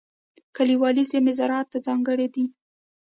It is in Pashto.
کلیوالي سیمې زراعت ته ځانګړې دي.